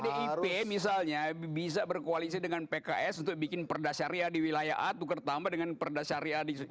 kalau pdip misalnya bisa berkoalisi dengan pks untuk bikin perdasyariah di wilayah a tukar tambah dengan perdasyariah di bap